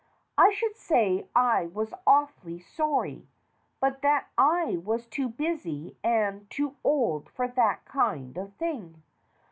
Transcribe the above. "I should say I was awfully sorry, but that I was too busy and too old for that kind of thing.